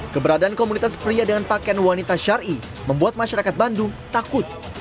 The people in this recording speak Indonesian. keberadaan komunitas pria dengan pakaian wanita syari membuat masyarakat bandung takut